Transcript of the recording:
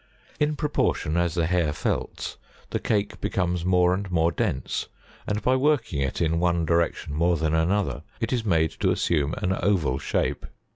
In proportion as the hair felts, the cake becomes more and more dense, and by working it in one direction more than the other, it is made to assume an oval shape.